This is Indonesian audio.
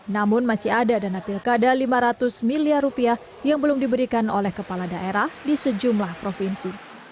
namun masih ada dana pilkada lima ratus miliar rupiah yang belum diberikan oleh kepala daerah di sejumlah provinsi